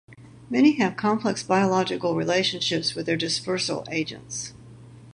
Many have complex biological relationships with their dispersal agents.